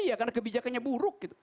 iya karena kebijakannya buruk